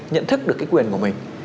nhận thức được cái quyền của mình